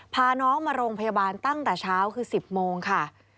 พาน้องมาโรงพยาบาลตั้งแต่เช้าคือ๑๐โมงค่ะ